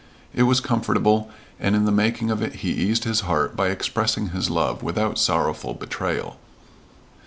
It was comfortable, and in the making of it he eased his heart by expressing his love without sorrowful betrayal.